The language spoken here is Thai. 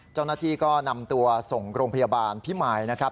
เจ้าหน้าที่ก็นำตัวส่งโรงพยาบาลพิมายนะครับ